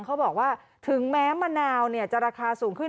เขาบอกว่าถึงแม้มะนาวจะราคาสูงขึ้น